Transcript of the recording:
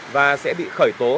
và sẽ bị khởi tố